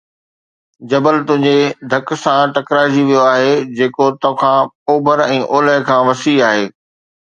جبل تنهنجي ڌڪ سان ٽڪرائجي ويو آهي، جيڪو توکان اوڀر ۽ اولهه کان وسيع آهي